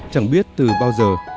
chẳng biết từ bao giờ